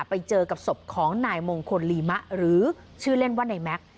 ไปเจอกับศพของนายมงคลลีมะหรือชื่อเล่นว่าในแม็กซ์